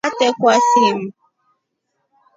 Ngatrekwa simu.